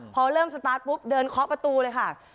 พอเริ่มสตาร์ทปุ๊บเดินเคาะประตูเลยค่ะ